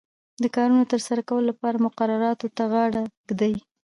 د کارونو د ترسره کولو لپاره مقرراتو ته غاړه ږدي.